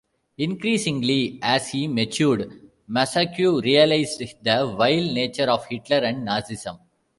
Increasingly as he matured, Massaquoi realized the vile nature of Hitler and Nazism.